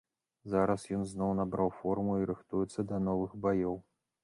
Зараз ён зноў набраў форму і рыхтуецца да новых баёў.